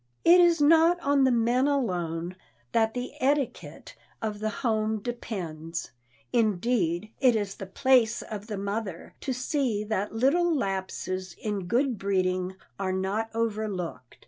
It is not on the men alone that the etiquette of the home depends. Indeed, it is the place of the mother to see that little lapses in good breeding are not overlooked.